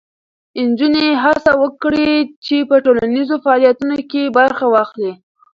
نجونې هڅه وکړي چې په ټولنیزو فعالیتونو کې برخه واخلي.